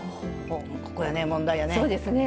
ここやね問題やね。